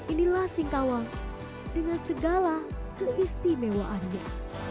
inilah singkawang dengan segala keistimewaannya